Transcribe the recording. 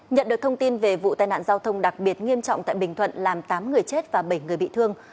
nhận được thông tin về vụ tai nạn giao thông đặc biệt nghiêm trọng tại bình thuận làm tám người chết và bảy người bị thương